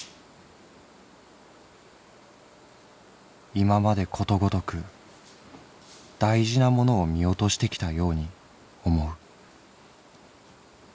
「今までことごとく大事なものを見落としてきたように思う」。